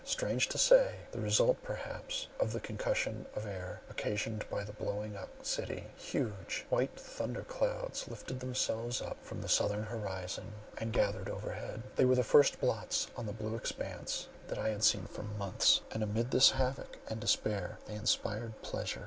Strange to say (the result perhaps of the concussion of air occasioned by the blowing up of the city) huge, white thunder clouds lifted themselves up from the southern horizon, and gathered over head; they were the first blots on the blue expanse that I had seen for months, and amidst this havoc and despair they inspired pleasure.